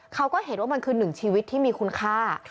เขาก็เห็นว่ามันคือหนึ่งชีวิตที่มีคุณค่า